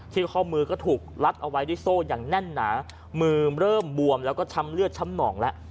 ข้อมือก็ถูกลัดเอาไว้ด้วยโซ่อย่างแน่นหนามือเริ่มบวมแล้วก็ช้ำเลือดช้ำหนองแล้ว